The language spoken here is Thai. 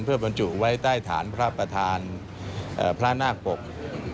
เพื่อบรรจุไว้ใต้ฐานพระประธานพระนาคปก